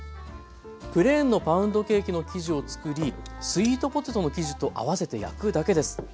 プレーンのパウンドケーキの生地をつくりスイートポテトの生地と合わせて焼くだけです。